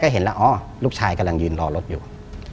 เห็นแล้วอ๋อลูกชายกำลังยืนรอรถอยู่